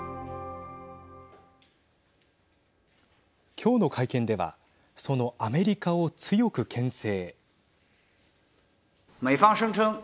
今日の会見ではそのアメリカを強くけん制。